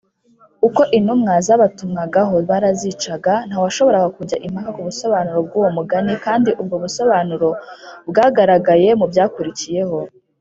uko intumwa zabatumwagaho barazicaga ntawashoboraga kujya impaka ku busobanuro bw’uwo mugani, kandi ubwo busobanuro bwagaragaraye mu byakurikiyeho